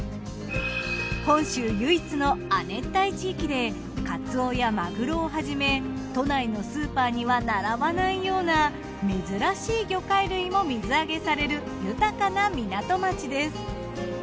本州唯一の亜熱帯地域でカツオやマグロをはじめ都内のスーパーには並ばないような珍しい魚介類も水揚げされる豊かな港町です。